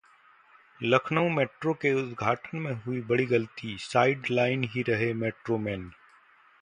Lucknow metro के उद्धाटन में हुई बड़ी गलती, साइड लाइन ही रहे 'मेट्रो मैन'